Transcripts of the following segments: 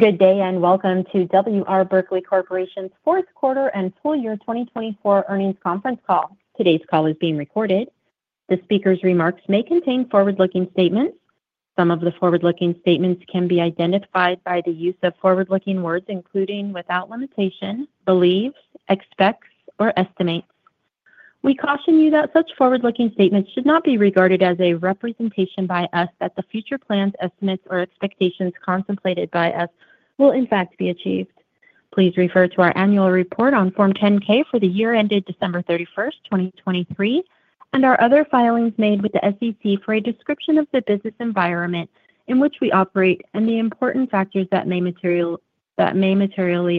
Good day and welcome to W. R. Berkley Corporation's Fourth Quarter and Full Year 2024 Earnings Conference Call. Today's call is being recorded. The speaker's remarks may contain forward-looking statements. Some of the forward-looking statements can be identified by the use of forward-looking words including, without limitation, believes, expects, or estimates. We caution you that such forward-looking statements should not be regarded as a representation by us that the future plans, estimates, or expectations contemplated by us will, in fact, be achieved. Please refer to our annual report on Form 10-K for the year ended December 31st, 2023, and our other filings made with the SEC for a description of the business environment in which we operate and the important factors that may materially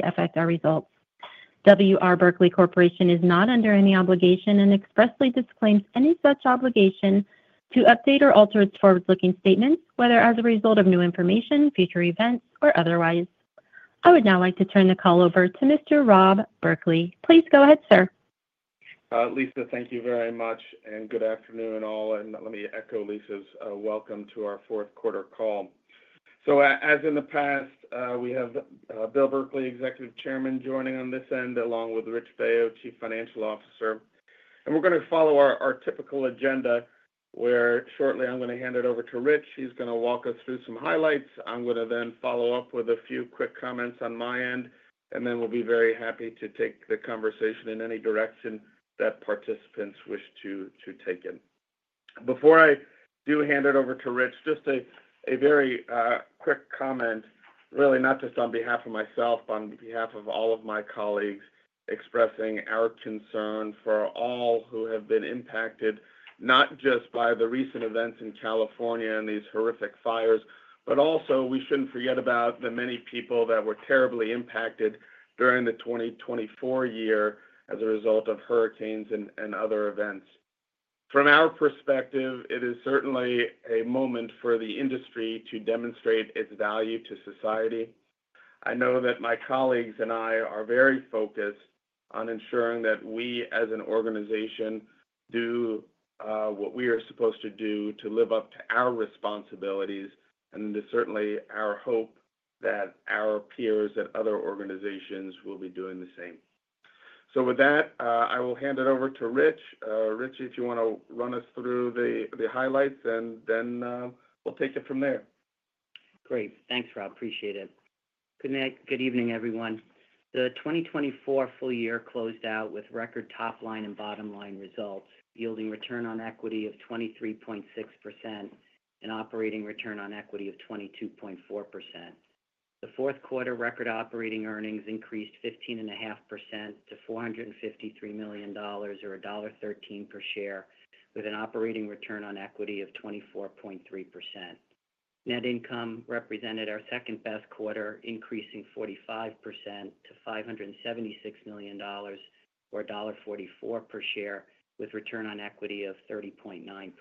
affect our results. W. R. Berkley Corporation is not under any obligation and expressly disclaims any such obligation to update or alter its forward-looking statements, whether as a result of new information, future events, or otherwise. I would now like to turn the call over to Mr. Rob Berkley. Please go ahead, sir. Lisa, thank you very much, and good afternoon all. And let me echo Lisa's welcome to our fourth quarter call. So, as in the past, we have Bill Berkley, Executive Chairman, joining on this end, along with Rich Baio, Chief Financial Officer. And we're going to follow our typical agenda where shortly I'm going to hand it over to Rich. He's going to walk us through some highlights. I'm going to then follow up with a few quick comments on my end, and then we'll be very happy to take the conversation in any direction that participants wish to take it. Before I do hand it over to Rich, just a very quick comment, really not just on behalf of myself, but on behalf of all of my colleagues, expressing our concern for all who have been impacted, not just by the recent events in California and these horrific fires, but also we shouldn't forget about the many people that were terribly impacted during the 2024 year as a result of hurricanes and other events. From our perspective, it is certainly a moment for the industry to demonstrate its value to society. I know that my colleagues and I are very focused on ensuring that we, as an organization, do what we are supposed to do to live up to our responsibilities, and it is certainly our hope that our peers at other organizations will be doing the same. So, with that, I will hand it over to Rich. Rich, if you want to run us through the highlights, and then we'll take it from there. Great. Thanks, Rob. Appreciate it. Good evening, everyone. The 2024 full year closed out with record top-line and bottom-line results, yielding return on equity of 23.6% and operating return on equity of 22.4%. The fourth quarter record operating earnings increased 15.5% to $453 million, or $1.13 per share, with an operating return on equity of 24.3%. Net income represented our second-best quarter, increasing 45% to $576 million, or $1.44 per share, with return on equity of 30.9%.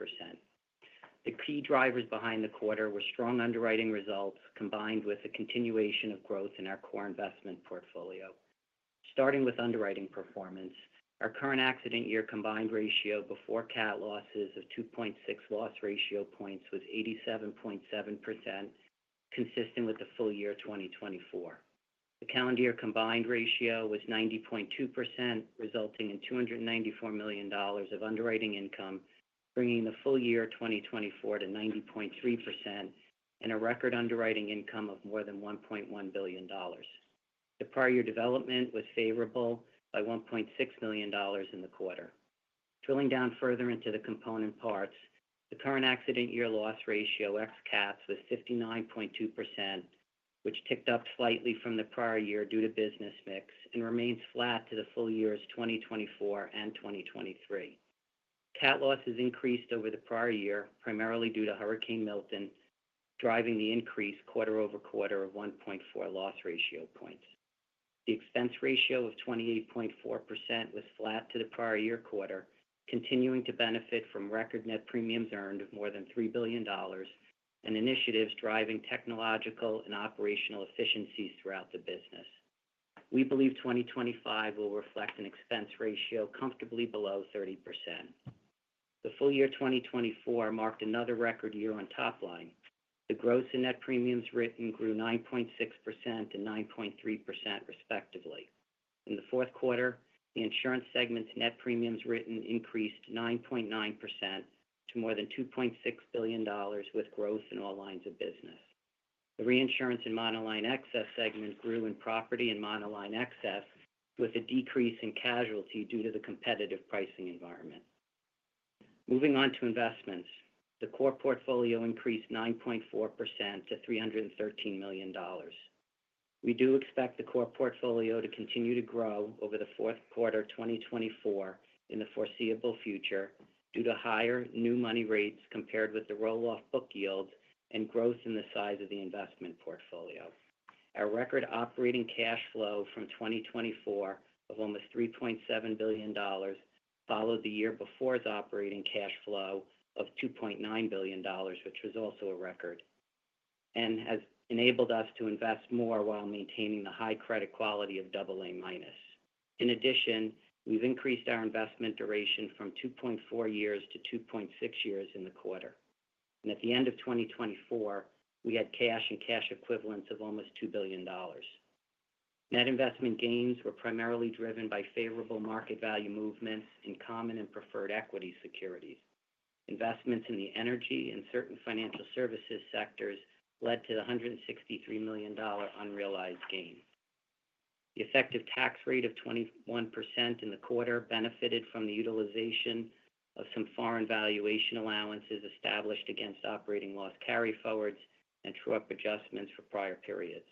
The key drivers behind the quarter were strong underwriting results combined with a continuation of growth in our core investment portfolio. Starting with underwriting performance, our current accident year combined ratio before CAT losses of 2.6 loss ratio points was 87.7%, consistent with the full year 2024. The calendar year combined ratio was 90.2%, resulting in $294 million of underwriting income, bringing the full year 2024 to 90.3% and a record underwriting income of more than $1.1 billion. The prior year development was favorable by $1.6 million in the quarter. Drilling down further into the component parts, the current accident year loss ratio, ex CATs, was 59.2%, which ticked up slightly from the prior year due to business mix and remains flat to the full years 2024 and 2023. CAT losses increased over the prior year, primarily due to Hurricane Milton, driving the increase quarter over quarter of 1.4 loss ratio points. The expense ratio of 28.4% was flat to the prior year quarter, continuing to benefit from record net premiums earned of more than $3 billion and initiatives driving technological and operational efficiencies throughout the business. We believe 2025 will reflect an expense ratio comfortably below 30%. The full year 2024 marked another record year on top line. The gross and net premiums written grew 9.6% and 9.3%, respectively. In the fourth quarter, the insurance segment's net premiums written increased 9.9% to more than $2.6 billion, with growth in all lines of business. The reinsurance and monoline excess segment grew in property and monoline excess, with a decrease in casualty due to the competitive pricing environment. Moving on to investments, the core portfolio increased 9.4% to $313 million. We do expect the core portfolio to continue to grow over the fourth quarter 2024 in the foreseeable future due to higher new money rates compared with the roll-off book yields and growth in the size of the investment portfolio. Our record operating cash flow from 2024 of almost $3.7 billion followed the year before's operating cash flow of $2.9 billion, which was also a record, and has enabled us to invest more while maintaining the high credit quality of AA-. In addition, we've increased our investment duration from 2.4 years to 2.6 years in the quarter, and at the end of 2024, we had cash and cash equivalents of almost $2 billion. Net investment gains were primarily driven by favorable market value movements in common and preferred equity securities. Investments in the energy and certain financial services sectors led to the $163 million unrealized gain. The effective tax rate of 21% in the quarter benefited from the utilization of some foreign valuation allowances established against operating loss carry forwards and true-up adjustments for prior periods.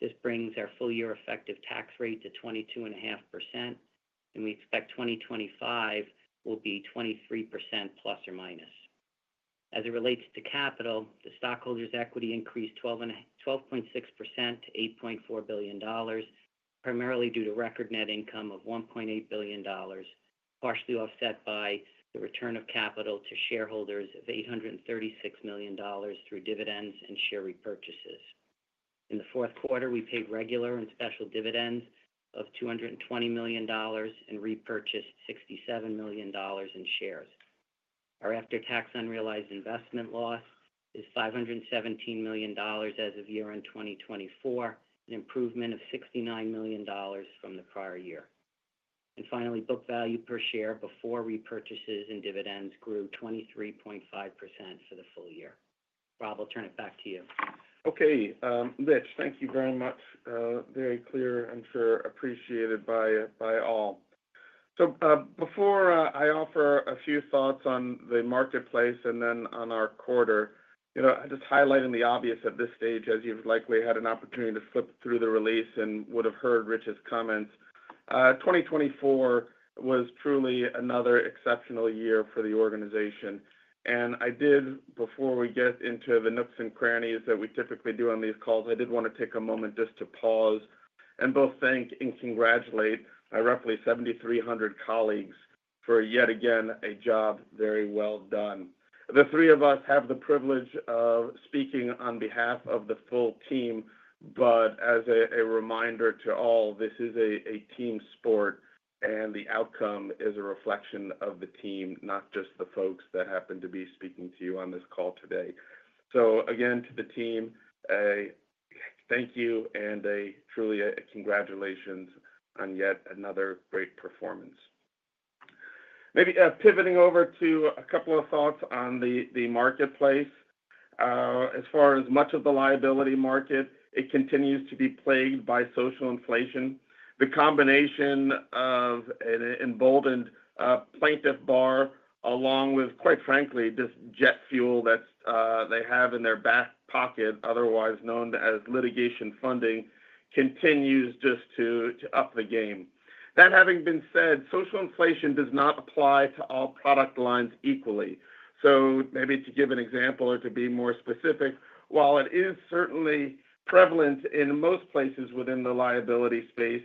This brings our full year effective tax rate to 22.5%, and we expect 2025 will be 23% plus or minus. As it relates to capital, the stockholders' equity increased 12.6% to $8.4 billion, primarily due to record net income of $1.8 billion, partially offset by the return of capital to shareholders of $836 million through dividends and share repurchases. In the fourth quarter, we paid regular and special dividends of $220 million and repurchased $67 million in shares. Our after-tax unrealized investment loss is $517 million as of year-end 2024, an improvement of $69 million from the prior year. And finally, book value per share before repurchases and dividends grew 23.5% for the full year. Rob, I'll turn it back to you. Okay. Rich, thank you very much. Very clear and much appreciated by all. So before I offer a few thoughts on the marketplace and then on our quarter, just highlighting the obvious at this stage, as you've likely had an opportunity to flip through the release and would have heard Rich's comments, 2024 was truly another exceptional year for the organization. I did, before we get into the nooks and crannies that we typically do on these calls, want to take a moment just to pause and both thank and congratulate my roughly 7,300 colleagues for yet again a job very well done. The three of us have the privilege of speaking on behalf of the full team, but as a reminder to all, this is a team sport, and the outcome is a reflection of the team, not just the folks that happen to be speaking to you on this call today. So again, to the team, a thank you and truly congratulations on yet another great performance. Maybe pivoting over to a couple of thoughts on the marketplace. As far as much of the liability market, it continues to be plagued by social inflation. The combination of an emboldened plaintiff bar, along with, quite frankly, just jet fuel that they have in their back pocket, otherwise known as litigation funding, continues just to up the game. That having been said, social inflation does not apply to all product lines equally. So maybe to give an example or to be more specific, while it is certainly prevalent in most places within the liability space,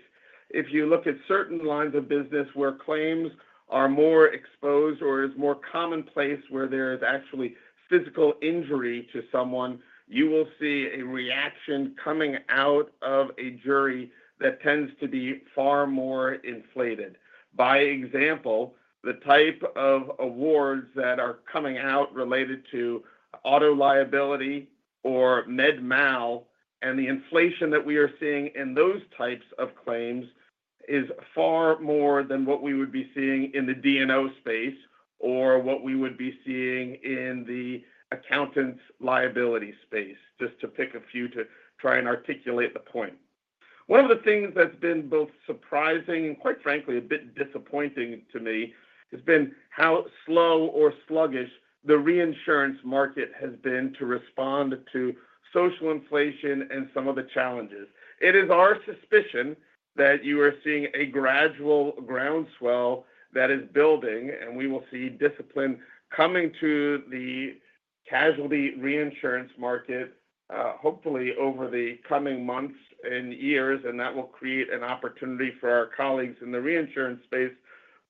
if you look at certain lines of business where claims are more exposed or is more commonplace where there is actually physical injury to someone, you will see a reaction coming out of a jury that tends to be far more inflated. By example, the type of awards that are coming out related to auto liability or med mal and the inflation that we are seeing in those types of claims is far more than what we would be seeing in the D&O space or what we would be seeing in the accountants' liability space, just to pick a few to try and articulate the point. One of the things that's been both surprising and, quite frankly, a bit disappointing to me has been how slow or sluggish the reinsurance market has been to respond to social inflation and some of the challenges. It is our suspicion that you are seeing a gradual groundswell that is building, and we will see discipline coming to the casualty reinsurance market, hopefully over the coming months and years, and that will create an opportunity for our colleagues in the reinsurance space.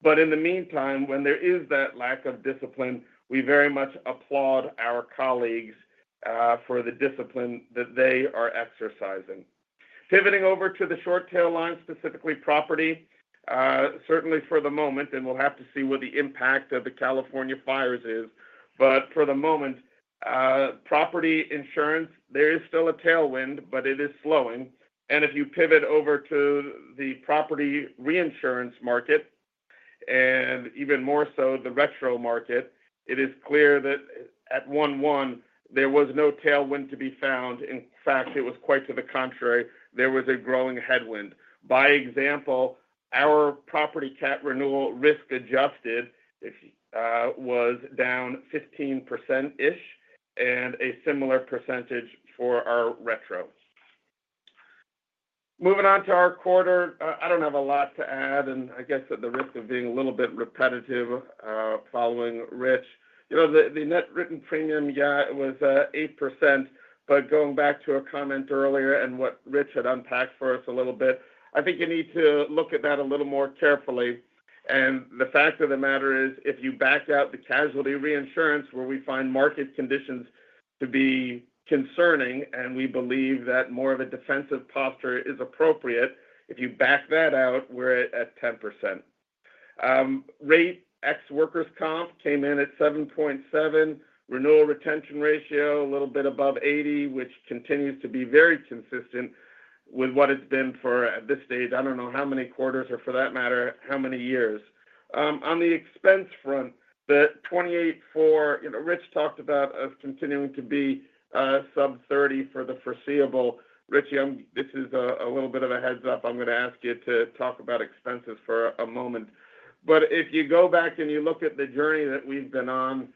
But in the meantime, when there is that lack of discipline, we very much applaud our colleagues for the discipline that they are exercising. Pivoting over to the short tail line, specifically property, certainly for the moment, and we'll have to see what the impact of the California Fires is. But for the moment, property insurance, there is still a tailwind, but it is slowing. And if you pivot over to the property reinsurance market and even more so the retro market, it is clear that at 1/1, there was no tailwind to be found. In fact, it was quite to the contrary. There was a growing headwind. By example, our property CAT renewal risk adjusted was down 15%-ish and a similar percentage for our retro. Moving on to our quarter, I don't have a lot to add, and I guess at the risk of being a little bit repetitive following Rich, the net written premium, yeah, it was 8%. But going back to a comment earlier and what Rich had unpacked for us a little bit, I think you need to look at that a little more carefully. The fact of the matter is, if you back out the casualty reinsurance, where we find market conditions to be concerning, and we believe that more of a defensive posture is appropriate, if you back that out, we're at 10%. Rate ex Workers' Comp came in at 7.7%, renewal retention ratio a little bit above 80%, which continues to be very consistent with what it's been for at this stage. I don't know how many quarters or, for that matter, how many years. On the expense front, the 28% Rich talked about us continuing to be sub-30% for the foreseeable. Rich, this is a little bit of a heads-up. I'm going to ask you to talk about expenses for a moment. But if you go back and you look at the journey that we've been on,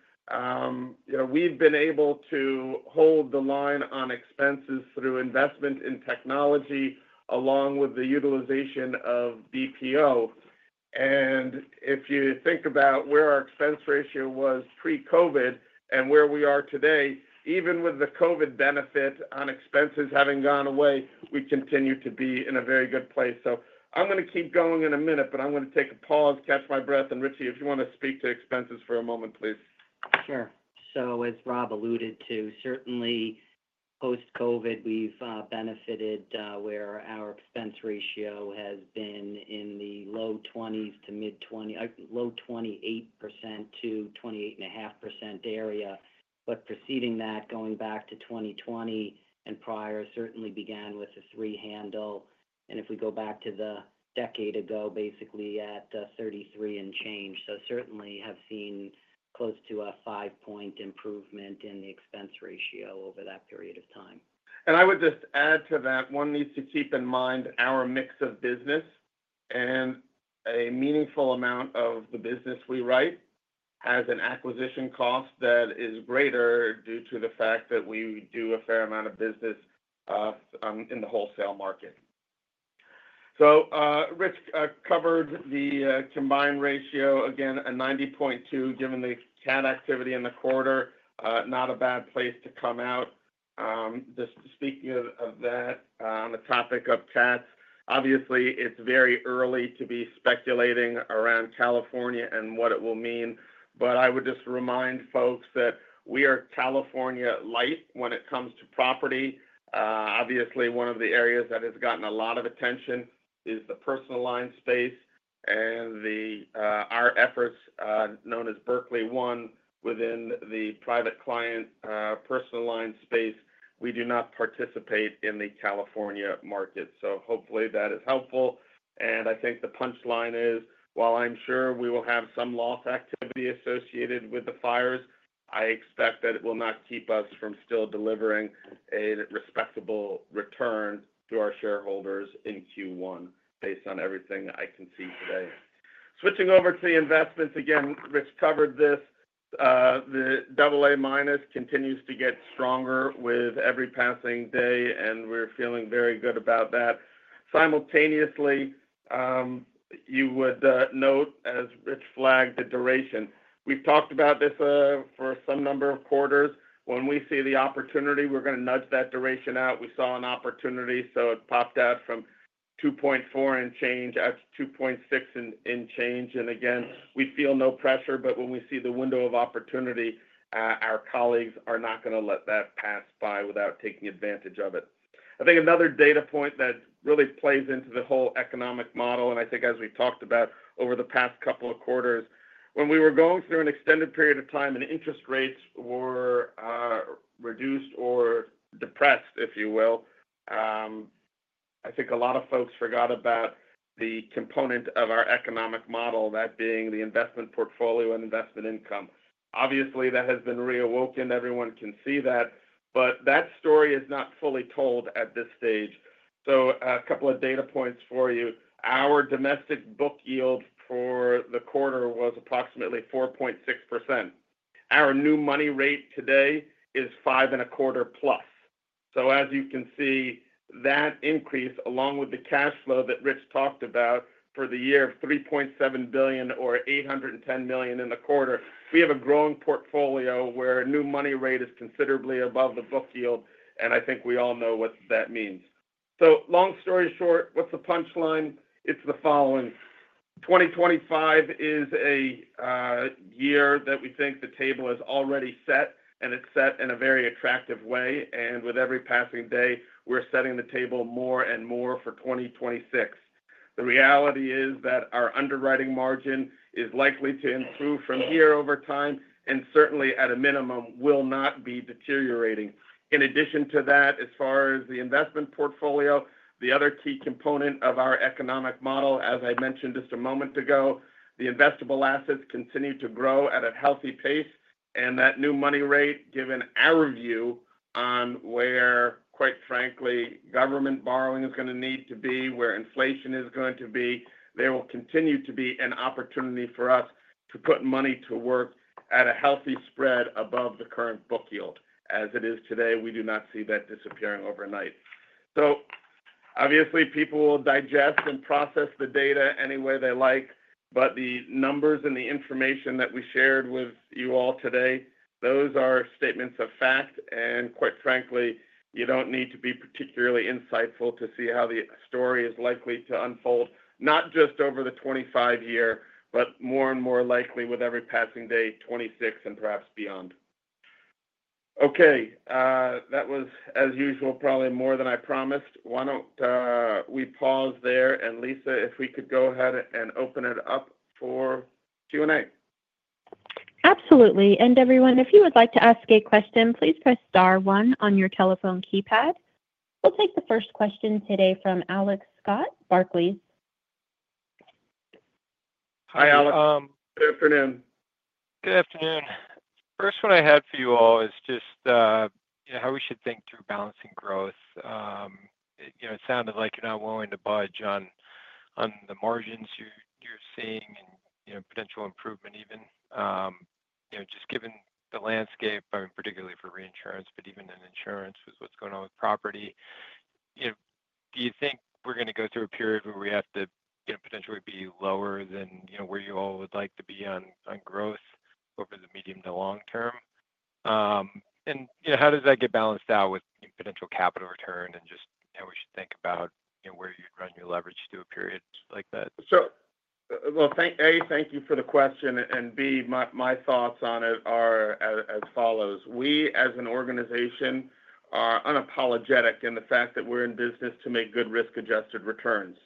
we've been able to hold the line on expenses through investment in technology along with the utilization of BPO. And if you think about where our expense ratio was pre-COVID and where we are today, even with the COVID benefit on expenses having gone away, we continue to be in a very good place. So I'm going to keep going in a minute, but I'm going to take a pause, catch my breath. And Rich, if you want to speak to expenses for a moment, please. Sure. So, as Rob alluded to, certainly post-COVID, we've benefited where our expense ratio has been in the low 20% to mid-20%, low 28% to 28.5% area. But preceding that, going back to 2020 and prior, certainly began with a three-handle. And if we go back to a decade ago, basically at 33% and change. So certainly have seen close to a five-point improvement in the expense ratio over that period of time. I would just add to that. One needs to keep in mind our mix of business and a meaningful amount of the business we write has an acquisition cost that is greater due to the fact that we do a fair amount of business in the wholesale market. Rich covered the combined ratio, again, a 90.2% given the CAT activity in the quarter, not a bad place to come out. Just speaking of that, on the topic of CATs, obviously, it's very early to be speculating around California and what it will mean. I would just remind folks that we are California-like when it comes to property. Obviously, one of the areas that has gotten a lot of attention is the personal line space and our efforts known as Berkley One within the private client personal line space. We do not participate in the California market. So hopefully that is helpful. And I think the punchline is, while I'm sure we will have some loss activity associated with the fires, I expect that it will not keep us from still delivering a respectable return to our shareholders in Q1 based on everything I can see today. Switching over to the investments, again, Rich covered this. The AA- continues to get stronger with every passing day, and we're feeling very good about that. Simultaneously, you would note, as Rich flagged, the duration. We've talked about this for some number of quarters. When we see the opportunity, we're going to nudge that duration out. We saw an opportunity, so it popped out from 2.4% and change at 2.6% and change. And again, we feel no pressure, but when we see the window of opportunity, our colleagues are not going to let that pass by without taking advantage of it. I think another data point that really plays into the whole economic model, and I think as we talked about over the past couple of quarters, when we were going through an extended period of time and interest rates were reduced or depressed, if you will, I think a lot of folks forgot about the component of our economic model, that being the investment portfolio and investment income. Obviously, that has been reawoken. Everyone can see that. But that story is not fully told at this stage. So a couple of data points for you. Our domestic book yield for the quarter was approximately 4.6%. Our new money rate today is 5.25% plus. So as you can see, that increase, along with the cash flow that Rich talked about for the year of $3.7 billion or $810 million in the quarter, we have a growing portfolio where new money rate is considerably above the book yield, and I think we all know what that means. So long story short, what's the punchline? It's the following. 2025 is a year that we think the table is already set, and it's set in a very attractive way. And with every passing day, we're setting the table more and more for 2026. The reality is that our underwriting margin is likely to improve from here over time and certainly, at a minimum, will not be deteriorating. In addition to that, as far as the investment portfolio, the other key component of our economic model, as I mentioned just a moment ago, the investable assets continue to grow at a healthy pace, and that new money rate, given our view on where, quite frankly, government borrowing is going to need to be, where inflation is going to be, there will continue to be an opportunity for us to put money to work at a healthy spread above the current book yield. As it is today, we do not see that disappearing overnight, so obviously, people will digest and process the data any way they like, but the numbers and the information that we shared with you all today, those are statements of fact. Quite frankly, you don't need to be particularly insightful to see how the story is likely to unfold, not just over the 25-year, but more and more likely with every passing day, 26 and perhaps beyond. Okay. That was, as usual, probably more than I promised. Why don't we pause there? Lisa, if we could go ahead and open it up for Q&A. Absolutely. And everyone, if you would like to ask a question, please press star one on your telephone keypad. We'll take the first question today from Alex Scott, Barclays. Hi, Alex. Good afternoon. Good afternoon. First one I had for you all is just how we should think through balancing growth. It sounded like you're not willing to budge on the margins you're seeing and potential improvement even. Just given the landscape, particularly for reinsurance, but even in insurance with what's going on with property, do you think we're going to go through a period where we have to potentially be lower than where you all would like to be on growth over the medium to long term? And how does that get balanced out with potential capital return and just how we should think about where you'd run your leverage through a period like that? Sure. Well, A, thank you for the question. And B, my thoughts on it are as follows. We, as an organization, are unapologetic in the fact that we're in business to make good risk-adjusted returns.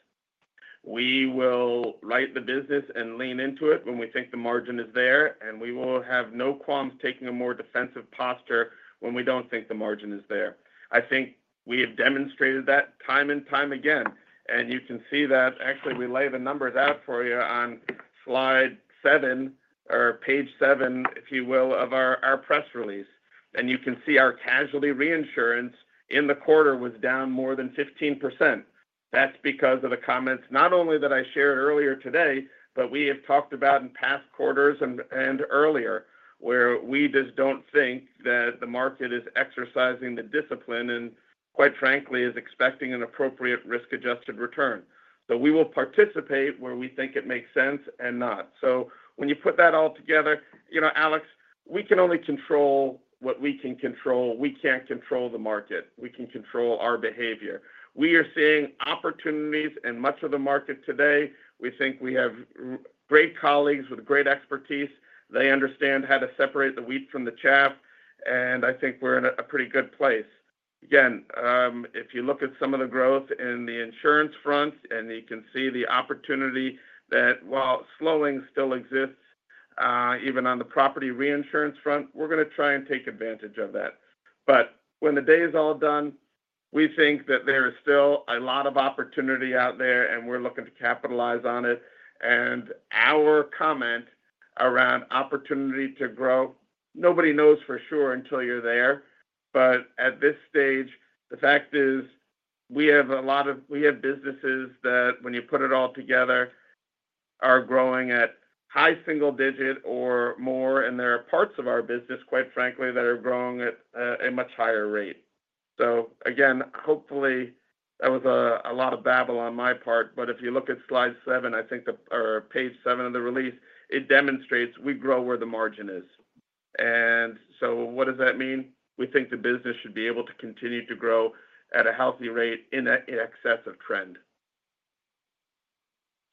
We will write the business and lean into it when we think the margin is there, and we will have no qualms taking a more defensive posture when we don't think the margin is there. I think we have demonstrated that time and time again. And you can see that actually we lay the numbers out for you on slide seven or page seven, if you will, of our press release. And you can see our casualty reinsurance in the quarter was down more than 15%. That's because of the comments not only that I shared earlier today, but we have talked about in past quarters and earlier where we just don't think that the market is exercising the discipline and, quite frankly, is expecting an appropriate risk-adjusted return. So we will participate where we think it makes sense and not. So when you put that all together, Alex, we can only control what we can control. We can't control the market. We can control our behavior. We are seeing opportunities in much of the market today. We think we have great colleagues with great expertise. They understand how to separate the wheat from the chaff. And I think we're in a pretty good place. Again, if you look at some of the growth in the insurance front, and you can see the opportunity that while slowing still exists, even on the property reinsurance front, we're going to try and take advantage of that. But when the day is all done, we think that there is still a lot of opportunity out there, and we're looking to capitalize on it. And our comment around opportunity to grow, nobody knows for sure until you're there. But at this stage, the fact is we have a lot of businesses that, when you put it all together, are growing at high single digit or more. And there are parts of our business, quite frankly, that are growing at a much higher rate. So again, hopefully, that was a lot of babble on my part. If you look at slide seven, I think, or page seven of the release, it demonstrates we grow where the margin is. So what does that mean? We think the business should be able to continue to grow at a healthy rate in excess of trend.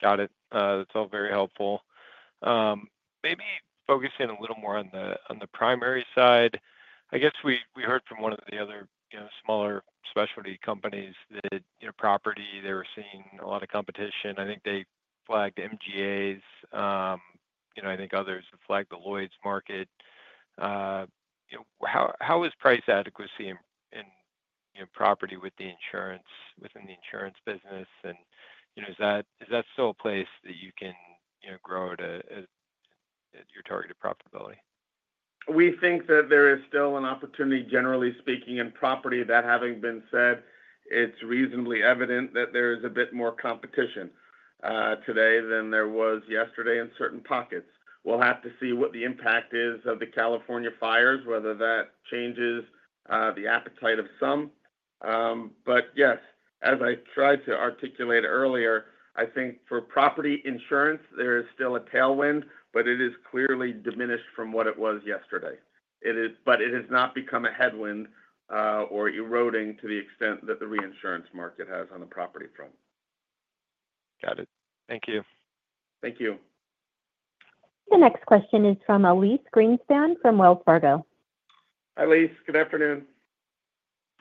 Got it. That's all very helpful. Maybe focusing a little more on the primary side. I guess we heard from one of the other smaller specialty companies that property, they were seeing a lot of competition. I think they flagged MGAs. I think others have flagged the Lloyd's market. How is price adequacy in property within the insurance business? And is that still a place that you can grow at your targeted profitability? We think that there is still an opportunity, generally speaking, in property. That having been said, it's reasonably evident that there is a bit more competition today than there was yesterday in certain pockets. We'll have to see what the impact is of the California Fires, whether that changes the appetite of some. But yes, as I tried to articulate earlier, I think for property insurance, there is still a tailwind, but it is clearly diminished from what it was yesterday. But it has not become a headwind or eroding to the extent that the reinsurance market has on the property front. Got it. Thank you. Thank you. The next question is from Elyse Greenspan from Wells Fargo. Elyse, good afternoon.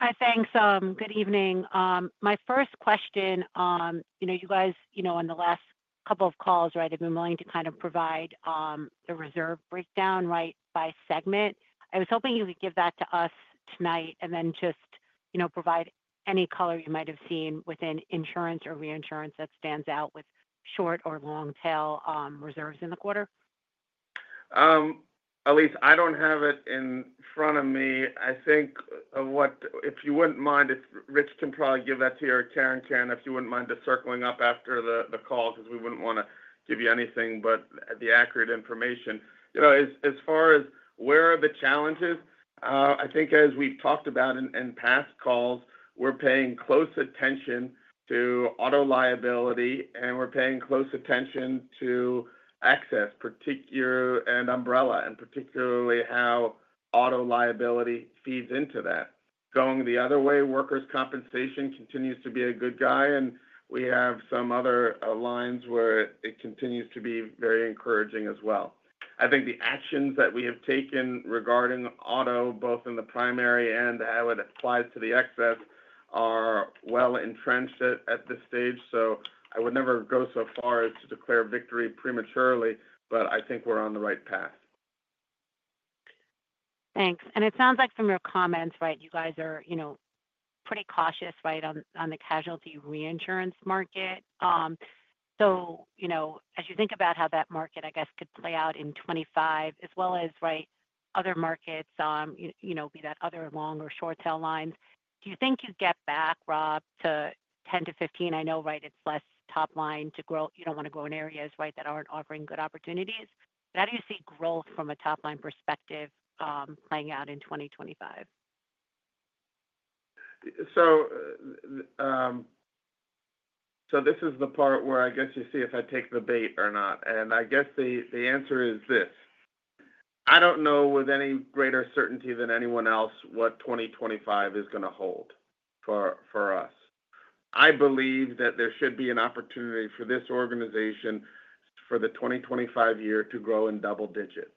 Hi, thanks. Good evening. My first question, you guys on the last couple of calls, right, have been willing to kind of provide the reserve breakdown, right, by segment. I was hoping you could give that to us tonight and then just provide any color you might have seen within insurance or reinsurance that stands out with short or long-tail reserves in the quarter? Elyse, I don't have it in front of me. I think of what if you wouldn't mind, if Rich can probably give that to you, or Karen, Karen, if you wouldn't mind just circling up after the call because we wouldn't want to give you anything, but the accurate information. As far as where are the challenges, I think as we've talked about in past calls, we're paying close attention to auto liability, and we're paying close attention to excess and umbrella, and particularly how auto liability feeds into that. Going the other way, workers' compensation continues to be a good guy, and we have some other lines where it continues to be very encouraging as well. I think the actions that we have taken regarding auto, both in the primary and how it applies to the excess, are well entrenched at this stage. I would never go so far as to declare victory prematurely, but I think we're on the right path. Thanks. And it sounds like from your comments, right, you guys are pretty cautious, right, on the casualty reinsurance market. So as you think about how that market, I guess, could play out in 2025, as well as, right, other markets, be that other long or short-tail lines, do you think you'd get back, Rob, to 10%-15%? I know, right, it's less top line to grow. You don't want to grow in areas, right, that aren't offering good opportunities. How do you see growth from a top-line perspective playing out in 2025? This is the part where I guess you see if I take the bait or not. I guess the answer is this. I don't know with any greater certainty than anyone else what 2025 is going to hold for us. I believe that there should be an opportunity for this organization for the 2025 year to grow in double digit.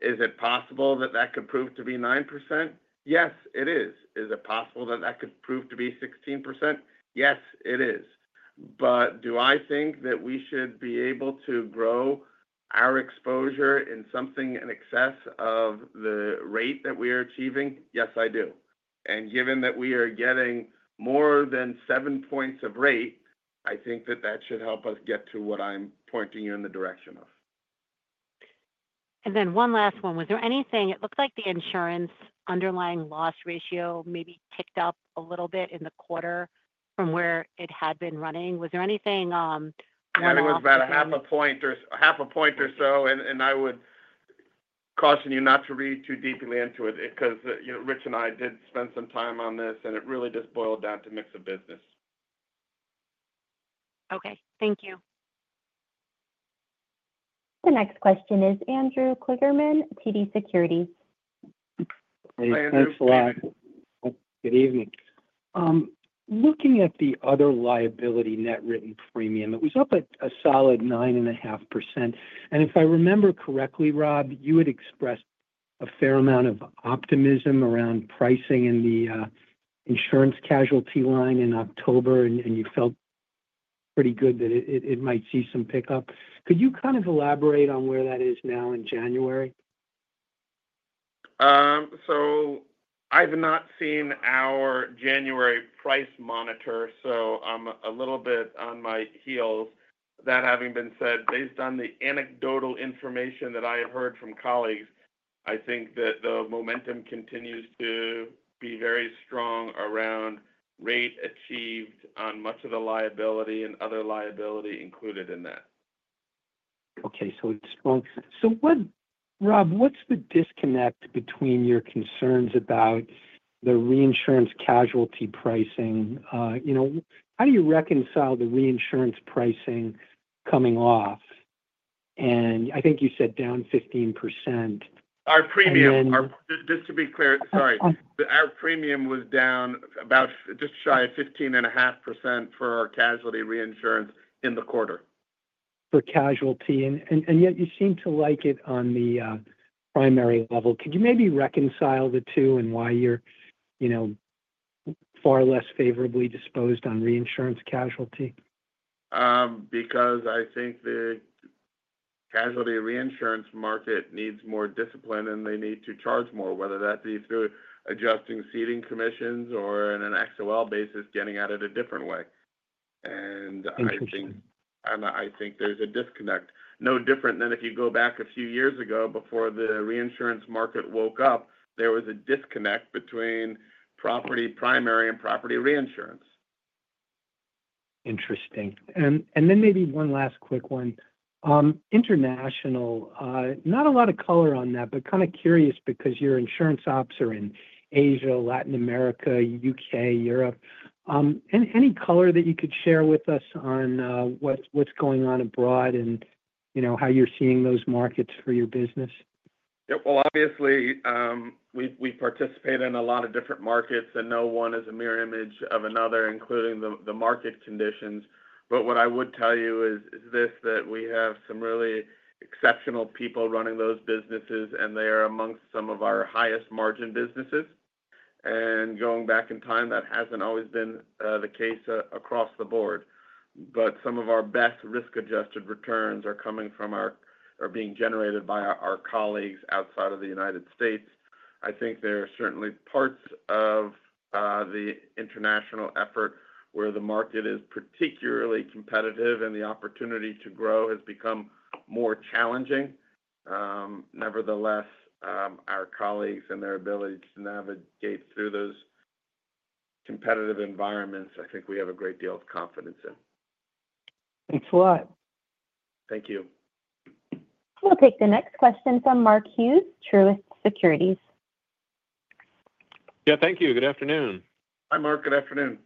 Is it possible that that could prove to be 9%? Yes, it is. Is it possible that that could prove to be 16%? Yes, it is. But do I think that we should be able to grow our exposure in something in excess of the rate that we are achieving? Yes, I do. And given that we are getting more than seven points of rate, I think that that should help us get to what I'm pointing you in the direction of. And then one last one. Was there anything? It looked like the insurance underlying loss ratio maybe ticked up a little bit in the quarter from where it had been running. Was there anything? I think it was about half a point or so, and I would caution you not to read too deeply into it because Rich and I did spend some time on this, and it really just boiled down to mix of business. Okay. Thank you. The next question is Andrew Kligerman, TD Securities. Hi, Andrew. Hi, everyone. Good evening. Looking at the other liability net written premium, it was up a solid 9.5%. And if I remember correctly, Rob, you had expressed a fair amount of optimism around pricing in the insurance casualty line in October, and you felt pretty good that it might see some pickup. Could you kind of elaborate on where that is now in January? So I've not seen our January price monitor, so I'm a little bit on my heels. That having been said, based on the anecdotal information that I have heard from colleagues, I think that the momentum continues to be very strong around rate achieved on much of the liability and other liability included in that. Okay. So it's strong. So Rob, what's the disconnect between your concerns about the reinsurance casualty pricing? How do you reconcile the reinsurance pricing coming off? And I think you said down 15%. Our premium. Just to be clear, sorry. Our premium was down about just shy of 15.5% for our casualty reinsurance in the quarter. For casualty. And yet you seem to like it on the primary level. Could you maybe reconcile the two and why you're far less favorably disposed on reinsurance casualty? Because I think the casualty reinsurance market needs more discipline, and they need to charge more, whether that be through adjusting ceding commissions or in an XOL basis, getting at it a different way. And I think there's a disconnect. No different than if you go back a few years ago before the reinsurance market woke up, there was a disconnect between property primary and property reinsurance. Interesting. And then maybe one last quick one. International, not a lot of color on that, but kind of curious because your insurance ops are in Asia, Latin America, U.K., Europe. Any color that you could share with us on what's going on abroad and how you're seeing those markets for your business? Yep. Well, obviously, we participate in a lot of different markets, and no one is a mirror image of another, including the market conditions. But what I would tell you is this: that we have some really exceptional people running those businesses, and they are amongst some of our highest margin businesses. And going back in time, that hasn't always been the case across the board. But some of our best risk-adjusted returns are coming from are being generated by our colleagues outside of the United States. I think there are certainly parts of the international effort where the market is particularly competitive, and the opportunity to grow has become more challenging. Nevertheless, our colleagues and their ability to navigate through those competitive environments, I think we have a great deal of confidence in. Thanks a lot. Thank you. We'll take the next question from Mark Hughes, Truist Securities. Yeah. Thank you. Good afternoon. Hi, Mark. Good afternoon.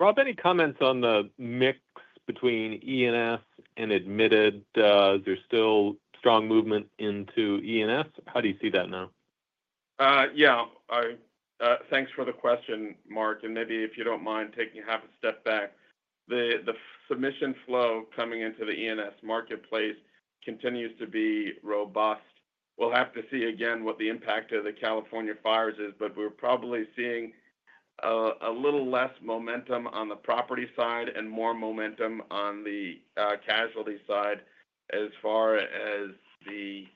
Rob, any comments on the mix between E&S and admitted? Is there still strong movement into E&S? How do you see that now? Yeah. Thanks for the question, Mark, and maybe if you don't mind taking a half a step back, the submission flow coming into the E&S marketplace continues to be robust. We'll have to see again what the impact of the California fires is, but we're probably seeing a little less momentum on the property side and more momentum on the casualty side as far as the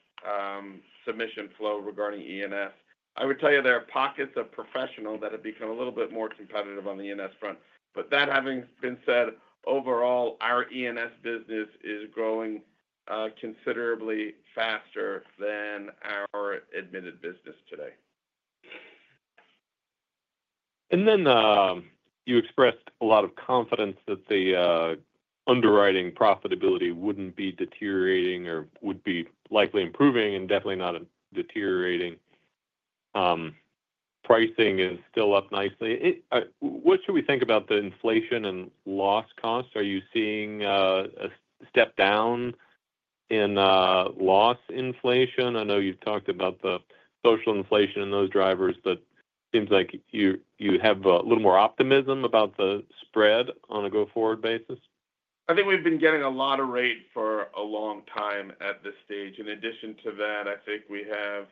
submission flow regarding E&S. I would tell you there are pockets of professional that have become a little bit more competitive on the E&S front, but that having been said, overall, our E&S business is growing considerably faster than our admitted business today. And then you expressed a lot of confidence that the underwriting profitability wouldn't be deteriorating or would be likely improving and definitely not deteriorating. Pricing is still up nicely. What should we think about the inflation and loss costs? Are you seeing a step down in loss inflation? I know you've talked about the social inflation and those drivers, but it seems like you have a little more optimism about the spread on a go-forward basis. I think we've been getting a lot of rate for a long time at this stage. In addition to that, I think we have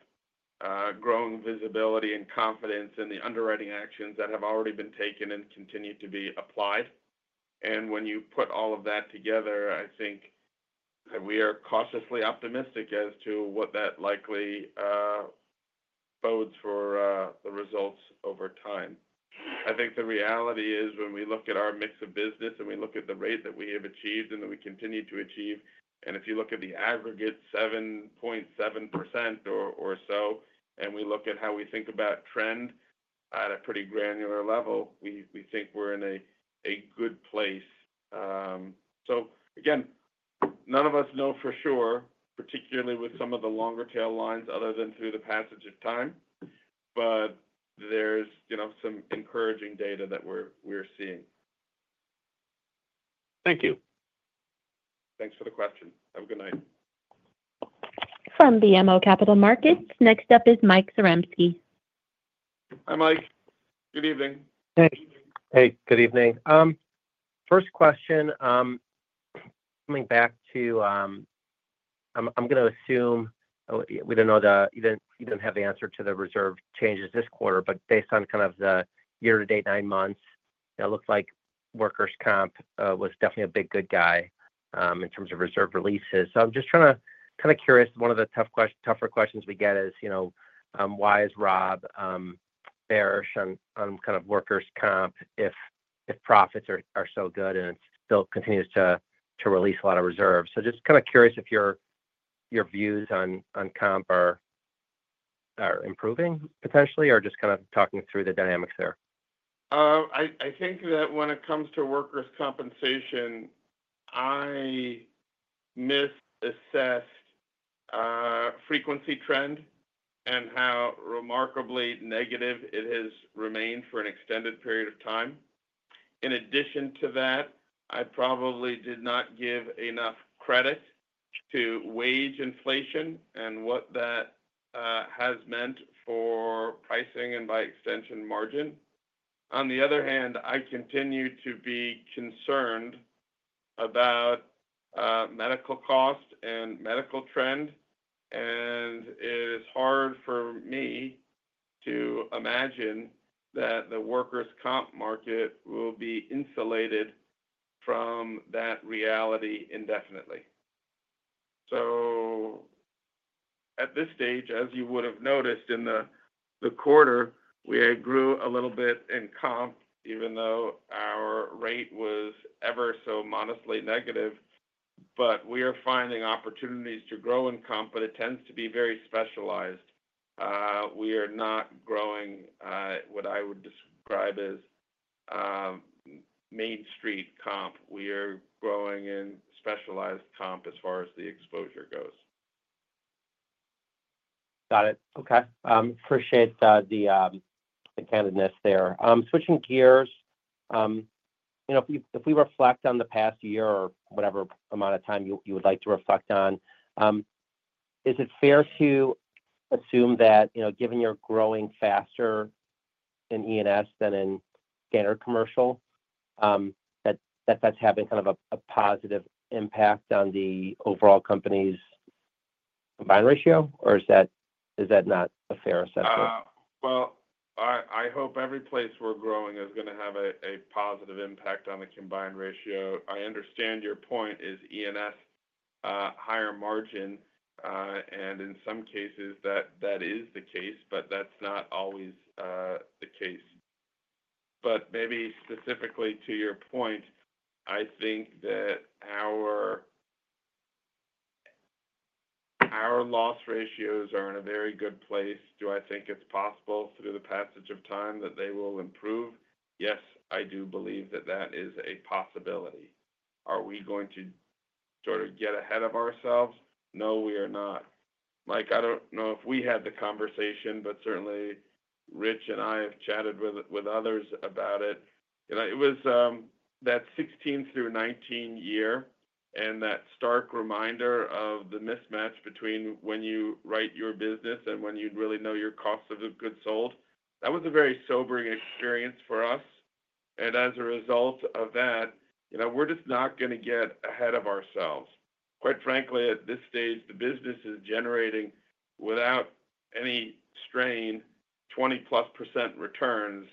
growing visibility and confidence in the underwriting actions that have already been taken and continue to be applied. And when you put all of that together, I think that we are cautiously optimistic as to what that likely bodes for the results over time. I think the reality is when we look at our mix of business and we look at the rate that we have achieved and that we continue to achieve, and if you look at the aggregate 7.7% or so, and we look at how we think about trend at a pretty granular level, we think we're in a good place. So again, none of us know for sure, particularly with some of the longer-tail lines other than through the passage of time, but there's some encouraging data that we're seeing. Thank you. Thanks for the question. Have a good night. From BMO Capital Markets, next up is Mike Zaremski. Hi, Mike. Good evening. Hey, Good evening. First question, coming back to. I'm going to assume we don't know that you didn't have the answer to the reserve changes this quarter, but based on kind of the year-to-date nine months, it looks like workers' comp was definitely a big good guy in terms of reserve releases. So I'm just kind of curious. One of the tougher questions we get is, why is Rob bearish on kind of workers' comp if profits are so good and it still continues to release a lot of reserves? So just kind of curious if your views on comp are improving potentially or just kind of talking through the dynamics there. I think that when it comes to workers' compensation, I mis assessed frequency trend and how remarkably negative it has remained for an extended period of time. In addition to that, I probably did not give enough credit to wage inflation and what that has meant for pricing and by extension margin. On the other hand, I continue to be concerned about medical cost and medical trend, and it is hard for me to imagine that the workers' comp market will be insulated from that reality indefinitely. So at this stage, as you would have noticed in the quarter, we grew a little bit in comp even though our rate was ever so modestly negative, but we are finding opportunities to grow in comp, but it tends to be very specialized. We are not growing what I would describe as Main Street comp. We are growing in specialized comp as far as the exposure goes. Got it. Okay. Appreciate the candidness there. Switching gears, if we reflect on the past year or whatever amount of time you would like to reflect on, is it fair to assume that given you're growing faster in E&S than in standard commercial, that that's having kind of a positive impact on the overall company's combined ratio, or is that not a fair assessment? I hope every place we're growing is going to have a positive impact on the combined ratio. I understand your point is E&S, higher margin, and in some cases, that is the case, but that's not always the case. Maybe specifically to your point, I think that our loss ratios are in a very good place. Do I think it's possible through the passage of time that they will improve? Yes, I do believe that that is a possibility. Are we going to sort of get ahead of ourselves? No, we are not. Mike, I don't know if we had the conversation, but certainly, Rich and I have chatted with others about it. It was that 2016 through 2019 year and that stark reminder of the mismatch between when you write your business and when you'd really know your cost of goods sold. That was a very sobering experience for us, and as a result of that, we're just not going to get ahead of ourselves. Quite frankly, at this stage, the business is generating without any strain 20-plus% returns,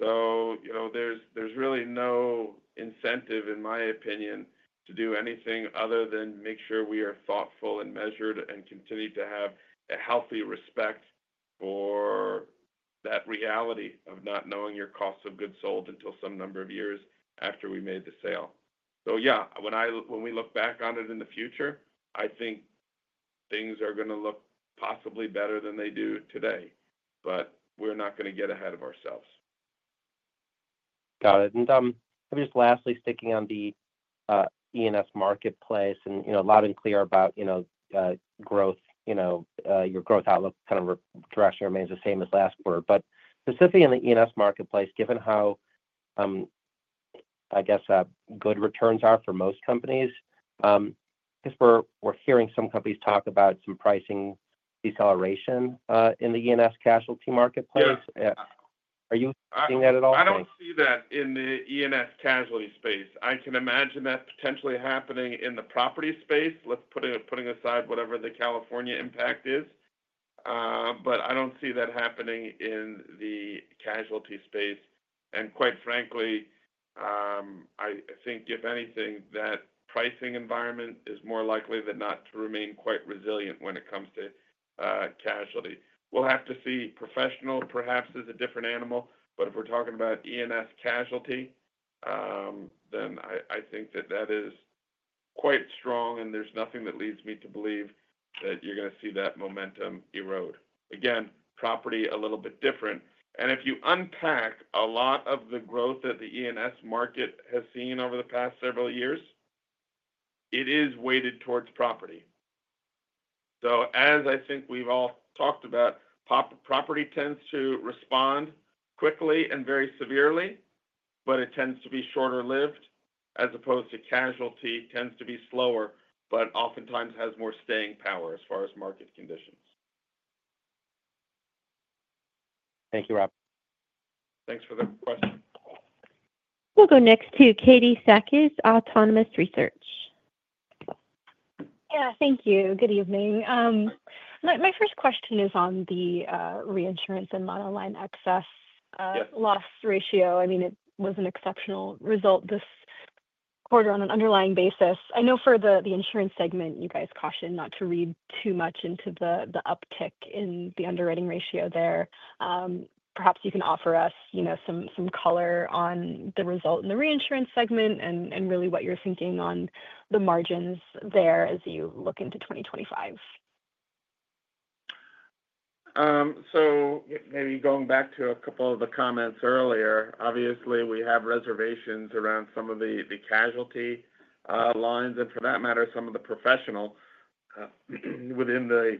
so there's really no incentive, in my opinion, to do anything other than make sure we are thoughtful and measured and continue to have a healthy respect for that reality of not knowing your cost of goods sold until some number of years after we made the sale, so yeah, when we look back on it in the future, I think things are going to look possibly better than they do today, but we're not going to get ahead of ourselves. Got it. And just lastly, sticking on the E&S marketplace, and loud and clear about growth, your growth outlook kind of direction remains the same as last quarter. But specifically in the E&S marketplace, given how I guess good returns are for most companies, because we're hearing some companies talk about some pricing deceleration in the E&S casualty marketplace. Are you seeing that at all? I don't see that in the E&S casualty space. I can imagine that potentially happening in the property space, putting aside whatever the California impact is, but I don't see that happening in the casualty space. And quite frankly, I think if anything, that pricing environment is more likely than not to remain quite resilient when it comes to casualty. We'll have to see. Professional perhaps is a different animal, but if we're talking about E&S casualty, then I think that that is quite strong, and there's nothing that leads me to believe that you're going to see that momentum erode. Again, property a little bit different. And if you unpack a lot of the growth that the E&S market has seen over the past several years, it is weighted towards property. So, as I think we've all talked about, property tends to respond quickly and very severely, but it tends to be shorter-lived as opposed to casualty tends to be slower, but oftentimes has more staying power as far as market conditions. Thank you, Rob. Thanks for the question. We'll go next to Katie Sakys, Autonomous Research. Yeah. Thank you. Good evening. My first question is on the reinsurance and mod line XS loss ratio. I mean, it was an exceptional result this quarter on an underlying basis. I know for the insurance segment, you guys cautioned not to read too much into the uptick in the underwriting ratio there. Perhaps you can offer us some color on the result in the reinsurance segment and really what you're thinking on the margins there as you look into 2025. So maybe going back to a couple of the comments earlier, obviously, we have reservations around some of the casualty lines and for that matter, some of the professional within the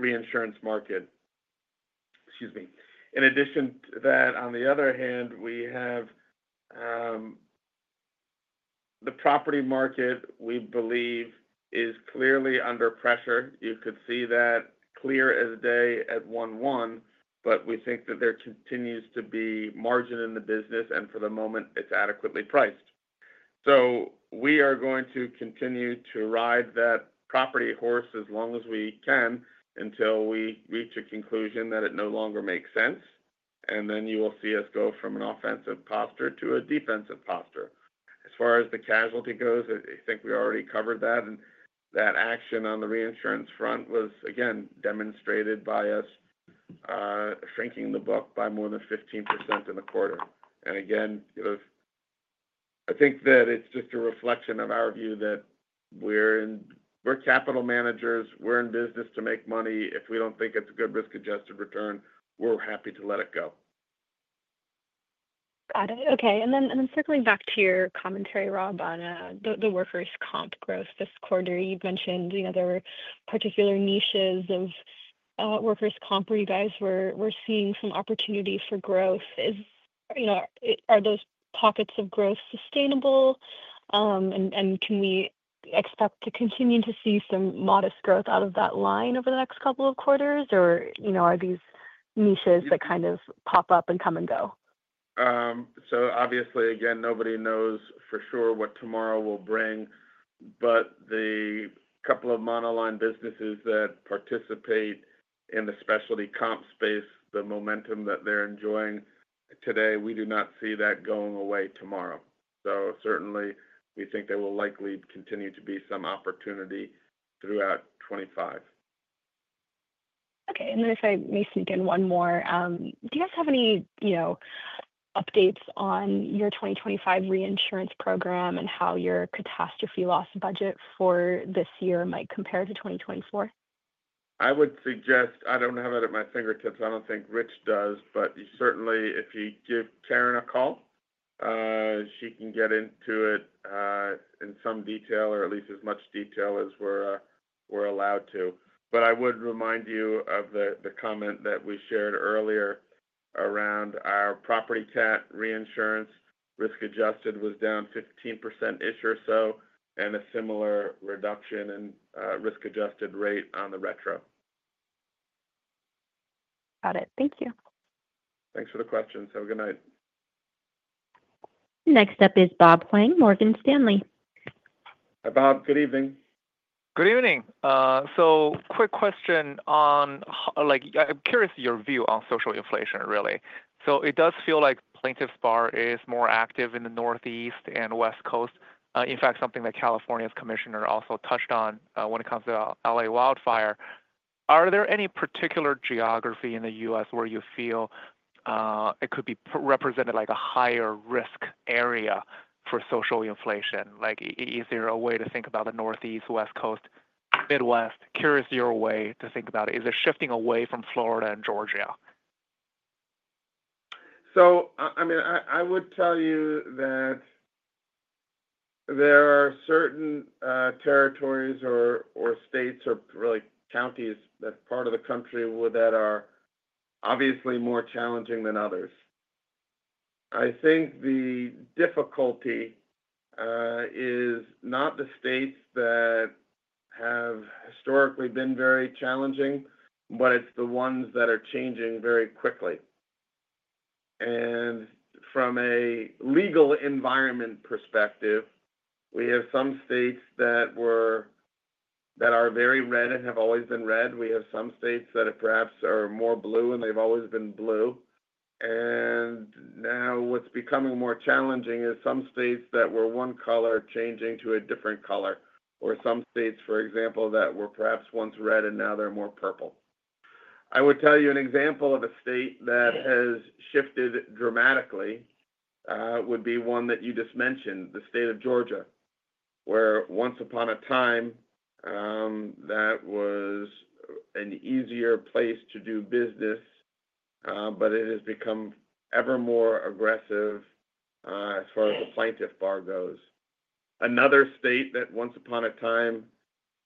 reinsurance market. Excuse me. In addition to that, on the other hand, we have the property market, we believe, is clearly under pressure. You could see that clear as day at 1/1, but we think that there continues to be margin in the business, and for the moment, it's adequately priced. So we are going to continue to ride that property horse as long as we can until we reach a conclusion that it no longer makes sense, and then you will see us go from an offensive posture to a defensive posture. As far as the casualty goes, I think we already covered that, and that action on the reinsurance front was, again, demonstrated by us shrinking the book by more than 15% in the quarter, and again, I think that it's just a reflection of our view that we're capital managers. We're in business to make money. If we don't think it's a good risk-adjusted return, we're happy to let it go. Got it. Okay. And then circling back to your commentary, Rob, on the workers' comp growth this quarter, you've mentioned there were particular niches of workers' comp where you guys were seeing some opportunity for growth. Are those pockets of growth sustainable, and can we expect to continue to see some modest growth out of that line over the next couple of quarters, or are these niches that kind of pop up and come and go? So obviously, again, nobody knows for sure what tomorrow will bring, but the couple of model line businesses that participate in the specialty comp space, the momentum that they're enjoying today, we do not see that going away tomorrow. So certainly, we think there will likely continue to be some opportunity throughout 2025. Okay. And then if I may sneak in one more, do you guys have any updates on your 2025 reinsurance program and how your catastrophe loss budget for this year might compare to 2024? I would suggest I don't have it at my fingertips. I don't think Rich does, but certainly, if you give Karen a call, she can get into it in some detail or at least as much detail as we're allowed to. But I would remind you of the comment that we shared earlier around our property cat reinsurance. Risk-adjusted was down 15%-ish or so and a similar reduction in risk-adjusted rate on the retro. Got it. Thank you. Thanks for the questions. Have a good night. Next up is Bob Huang, Morgan Stanley. Hi, Bob. Good evening. Good evening. So quick question on, I'm curious your view on social inflation, really. So it does feel like Plaintiff Bar is more active in the Northeast and West Coast. In fact, something that California's commissioner also touched on when it comes to L.A. wildfire. Are there any particular geography in the U.S. where you feel it could be represented like a higher risk area for social inflation? Is there a way to think about the Northeast, West Coast, Midwest? Curious your way to think about it. Is it shifting away from Florida and Georgia? So, I mean, I would tell you that there are certain territories or states or really counties, that part of the country, that are obviously more challenging than others. I think the difficulty is not the states that have historically been very challenging, but it's the ones that are changing very quickly. And from a legal environment perspective, we have some states that are very red and have always been red. We have some states that perhaps are more blue and they've always been blue. And now what's becoming more challenging is some states that were one color changing to a different color or some states, for example, that were perhaps once red and now they're more purple. I would tell you an example of a state that has shifted dramatically would be one that you just mentioned, the state of Georgia, where once upon a time, that was an easier place to do business, but it has become ever more aggressive as far as the plaintiff bar goes. Another state that once upon a time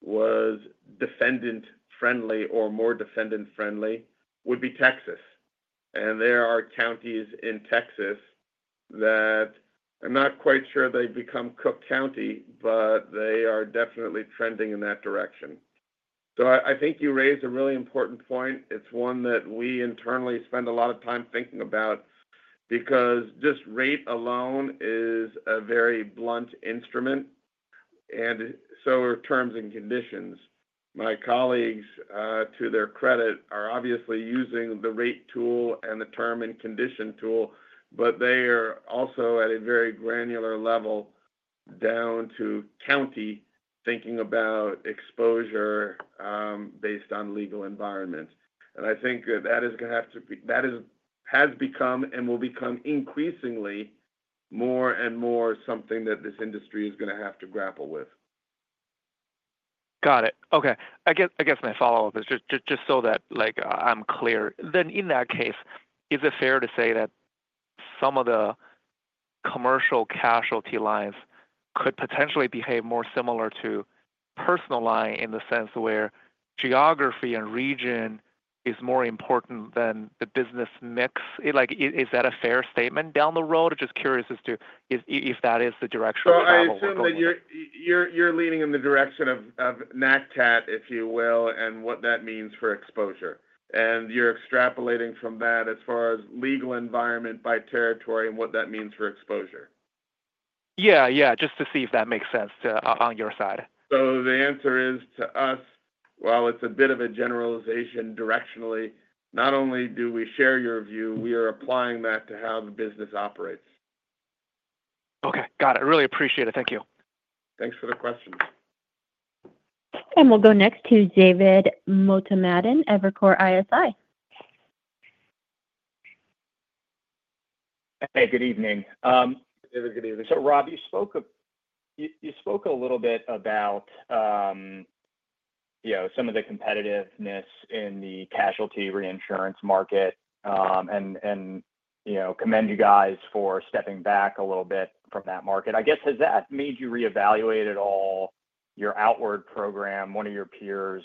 was defendant-friendly or more defendant-friendly would be Texas, and there are counties in Texas that I'm not quite sure they've become Cook County, but they are definitely trending in that direction, so I think you raised a really important point. It's one that we internally spend a lot of time thinking about because just rate alone is a very blunt instrument, and so are terms and conditions. My colleagues, to their credit, are obviously using the rate tool and the term and condition tool, but they are also at a very granular level down to county thinking about exposure based on legal environments, and I think that is going to have to be, that has become and will become increasingly more and more something that this industry is going to have to grapple with. Got it. Okay. I guess my follow-up is just so that I'm clear. Then in that case, is it fair to say that some of the commercial casualty lines could potentially behave more similar to personal line in the sense where geography and region is more important than the business mix? Is that a fair statement down the road? Just curious as to if that is the direction. So I assume that you're leaning in the direction of Nat Cat, if you will, and what that means for exposure, and you're extrapolating from that as far as legal environment by territory and what that means for exposure. Yeah. Yeah. Just to see if that makes sense on your side. So the answer is to us, while it's a bit of a generalization directionally, not only do we share your view, we are applying that to how the business operates. Okay. Got it. Really appreciate it. Thank you. Thanks for the questions. And we'll go next to David Motemaden, Evercore ISI. Hey, good evening. David, good evening. So Rob, you spoke a little bit about some of the competitiveness in the casualty reinsurance market and commend you guys for stepping back a little bit from that market. I guess has that made you reevaluate at all your outward program? One of your peers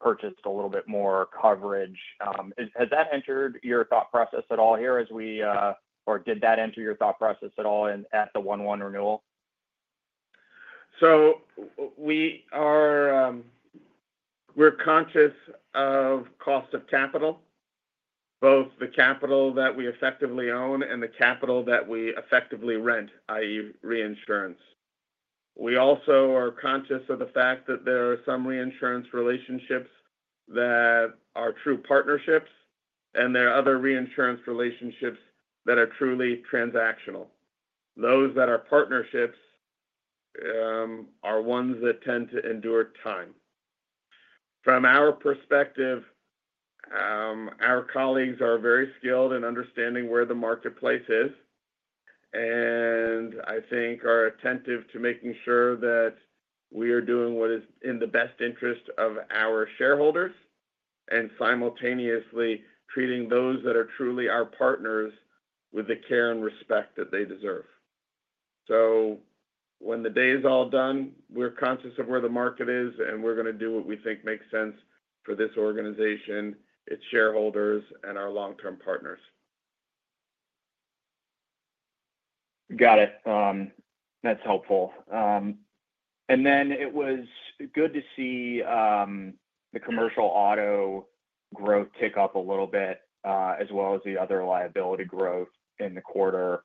purchased a little bit more coverage. Has that entered your thought process at all here as we or did that enter your thought process at all at the 1/1 renewal? So we're conscious of cost of capital, both the capital that we effectively own and the capital that we effectively rent, i.e., reinsurance. We also are conscious of the fact that there are some reinsurance relationships that are true partnerships, and there are other reinsurance relationships that are truly transactional. Those that are partnerships are ones that tend to endure time. From our perspective, our colleagues are very skilled in understanding where the marketplace is, and I think are attentive to making sure that we are doing what is in the best interest of our shareholders and simultaneously treating those that are truly our partners with the care and respect that they deserve. So when the day is all done, we're conscious of where the market is, and we're going to do what we think makes sense for this organization, its shareholders, and our long-term partners. Got it. That's helpful. And then it was good to see the commercial auto growth tick up a little bit as well as the other liability growth in the quarter.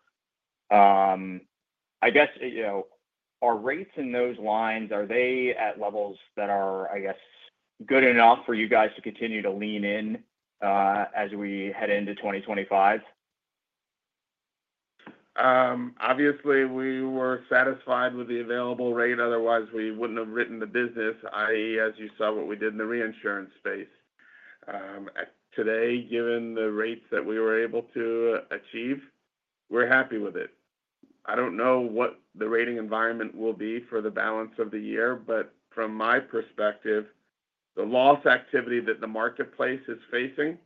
I guess our rates in those lines, are they at levels that are, I guess, good enough for you guys to continue to lean in as we head into 2025? Obviously, we were satisfied with the available rate. Otherwise, we wouldn't have written the business, i.e., as you saw what we did in the reinsurance space. Today, given the rates that we were able to achieve, we're happy with it. I don't know what the rating environment will be for the balance of the year, but from my perspective, the loss activity that the marketplace is facing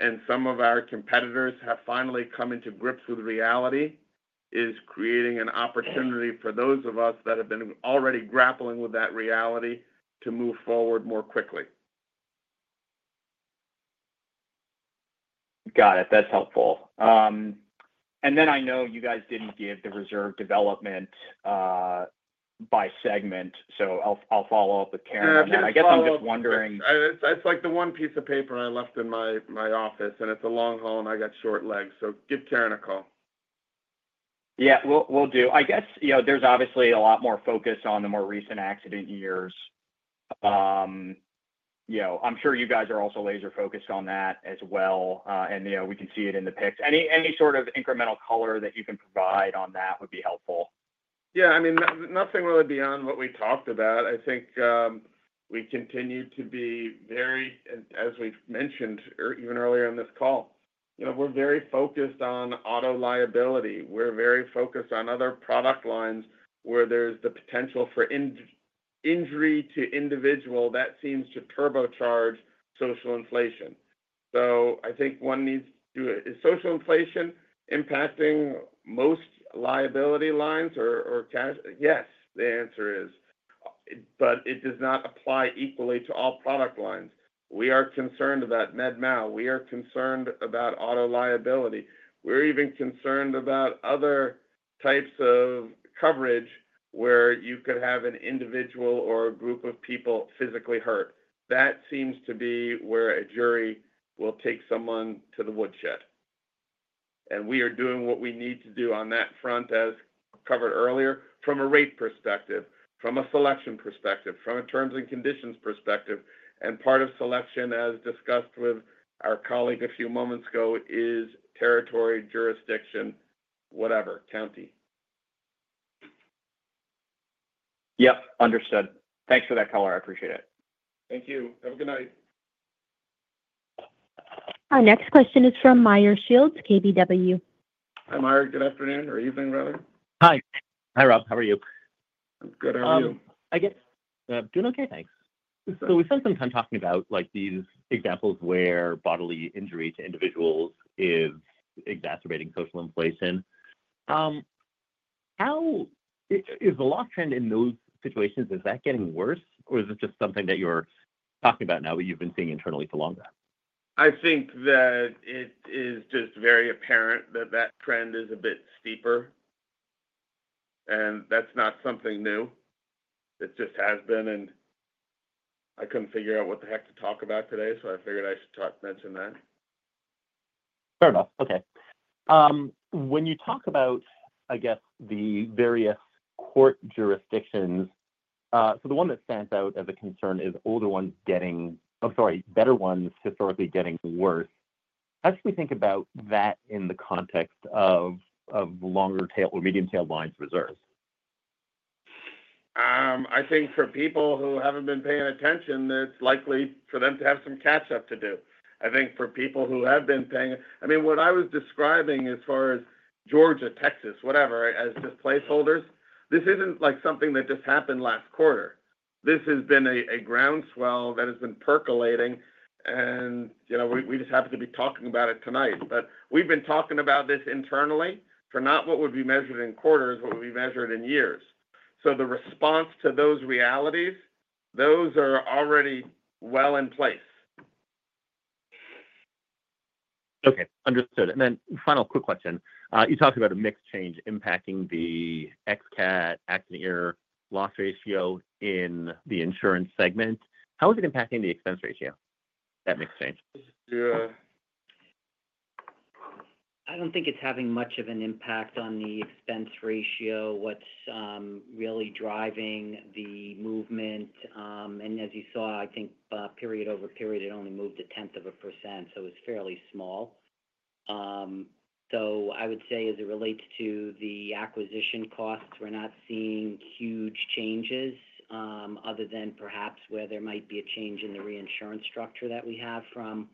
and some of our competitors have finally come into grips with reality is creating an opportunity for those of us that have been already grappling with that reality to move forward more quickly. Got it. That's helpful. And then I know you guys didn't give the reserve development by segment, so I'll follow up with Karen. I guess I'm just wondering. That's like the one piece of paper I left in my office, and it's a long haul, and I got short legs. So give Karen a call. Yeah, we'll do. I guess there's obviously a lot more focus on the more recent accident years. I'm sure you guys are also laser-focused on that as well, and we can see it in the picks. Any sort of incremental color that you can provide on that would be helpful. Yeah. I mean, nothing really beyond what we talked about. I think we continue to be very, as we've mentioned even earlier in this call, we're very focused on auto liability. We're very focused on other product lines where there's the potential for injury to individual that seems to turbocharge social inflation. So I think one needs to do it. Is social inflation impacting most liability lines or casualty? Yes, the answer is, but it does not apply equally to all product lines. We are concerned about med mal. We are concerned about auto liability. We're even concerned about other types of coverage where you could have an individual or a group of people physically hurt. That seems to be where a jury will take someone to the woodshed. And we are doing what we need to do on that front, as covered earlier, from a rate perspective, from a selection perspective, from a terms and conditions perspective. And part of selection, as discussed with our colleague a few moments ago, is territory, jurisdiction, whatever, county. Yep. Understood. Thanks for that color. I appreciate it. Thank you. Have a good night. Our next question is from Meyer Shields, KBW. Hi, Myer. Good afternoon or evening, rather. Hi. Hi, Rob. How are you? I'm good. How are you? I guess I'm doing okay. Thanks. So we spent some time talking about these examples where bodily injury to individuals is exacerbating social inflation. Is the loss trend in those situations, is that getting worse, or is it just something that you're talking about now, but you've been seeing internally for longer? I think that it is just very apparent that that trend is a bit steeper, and that's not something new. It just has been, and I couldn't figure out what the heck to talk about today, so I figured I should mention that. Fair enough. Okay. When you talk about, I guess, the various court jurisdictions, so the one that stands out as a concern is older ones getting-I'm sorry, better ones historically getting worse. How should we think about that in the context of longer tail or medium-tail lines reserves? I think for people who haven't been paying attention, it's likely for them to have some catch-up to do. I think for people who have been paying - I mean, what I was describing as far as Georgia, Texas, whatever, as just placeholders, this isn't something that just happened last quarter. This has been a groundswell that has been percolating, and we just happen to be talking about it tonight. But we've been talking about this internally for not what would be measured in quarters, what would be measured in years. So the response to those realities, those are already well in place. Okay. Understood. And then final quick question. You talked about a mix change impacting the ex-cat accident year loss ratio in the insurance segment. How is it impacting the expense ratio, that mix change? I don't think it's having much of an impact on the expense ratio. What's really driving the movement, and as you saw, I think period over period, it only moved 0.1%, so it's fairly small, so I would say as it relates to the acquisition costs, we're not seeing huge changes other than perhaps where there might be a change in the reinsurance structure that we have from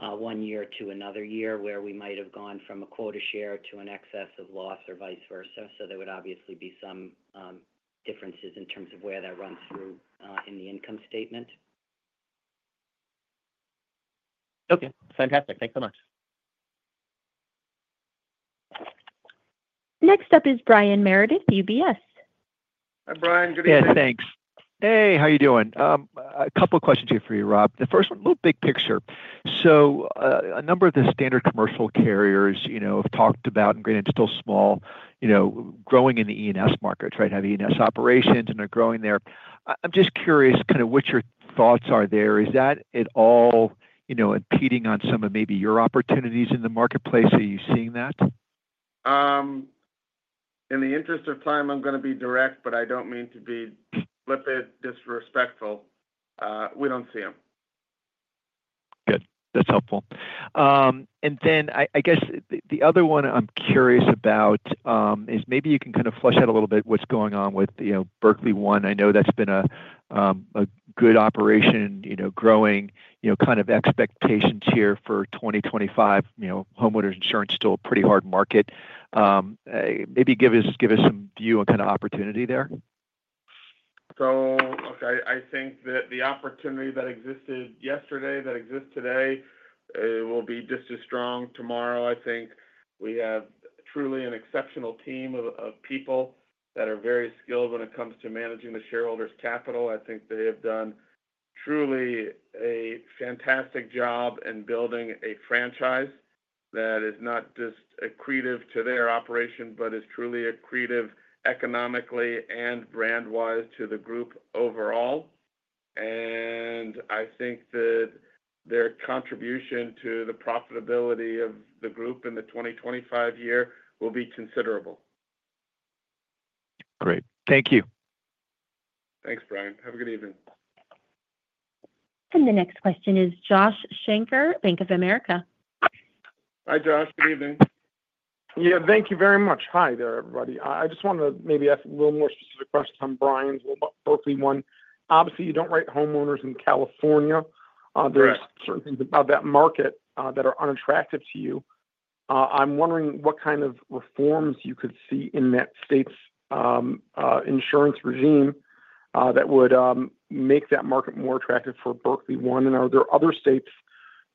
one year to another year where we might have gone from a quota share to an excess of loss or vice versa, so there would obviously be some differences in terms of where that runs through in the income statement. Okay. Fantastic. Thanks so much. Next up is Brian Meredith, UBS. Hi, Brian. Good evening. Yeah. Thanks. Hey, how are you doing? A couple of questions here for you, Rob. The first one, a little big picture. So a number of the standard commercial carriers have talked about, and granted, it's still small, growing in the E&S markets, right? Have E&S operations and are growing there. I'm just curious kind of what your thoughts are there. Is that at all impeding on some of maybe your opportunities in the marketplace? Are you seeing that? In the interest of time, I'm going to be direct, but I don't mean to be flippant, disrespectful. We don't see them. Good. That's helpful. And then I guess the other one I'm curious about is maybe you can kind of flesh out a little bit what's going on with Berkley One. I know that's been a good operation, growing kind of expectations here for 2025. Homeowners insurance is still a pretty hard market. Maybe give us some view on kind of opportunity there. So I think that the opportunity that existed yesterday that exists today will be just as strong tomorrow. I think we have truly an exceptional team of people that are very skilled when it comes to managing the shareholders' capital. I think they have done truly a fantastic job in building a franchise that is not just accretive to their operation, but is truly accretive economically and brand-wise to the group overall. And I think that their contribution to the profitability of the group in the 2025 year will be considerable. Great. Thank you. Thanks, Brian. Have a good evening. The next question is Josh Shanker, Bank of America. Hi, Josh. Good evening. Yeah. Thank you very much. Hi there, everybody. I just wanted to maybe ask a little more specific questions on Brian's about Berkley One. Obviously, you don't write homeowners in California. There are certain things about that market that are unattractive to you. I'm wondering what kind of reforms you could see in that state's insurance regime that would make that market more attractive for Berkley One. And are there other states